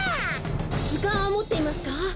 ずかんはもっていますか？